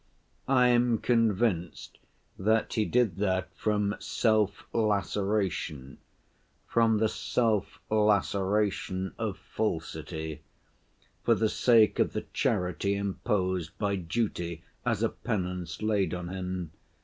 I am convinced that he did that from 'self‐laceration,' from the self‐laceration of falsity, for the sake of the charity imposed by duty, as a penance laid on him.